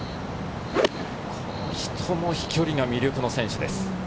この人も飛距離が魅力の選手です。